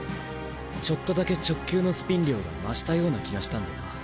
ちょっとだけ直球のスピン量が増したような気がしたんでな。